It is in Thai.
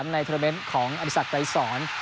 ในเทอร์เมนต์ของอริษัทไกรศร